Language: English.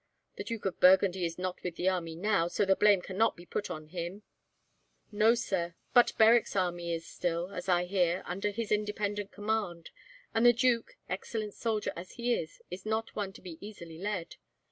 The Duke of Burgundy is not with the army now, so the blame cannot be put on him." "No, sir; but Berwick's army is still, as I hear, under his independent command, and the duke, excellent soldier as he is, is not one to be easily led.